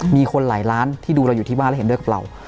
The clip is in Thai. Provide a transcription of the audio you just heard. มีคนหลายล้านที่ดูเราอยู่ที่บ้านแล้วเห็นด้วยกับเรา